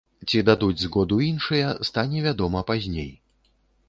Ці дадуць згоду іншыя, стане вядома пазней.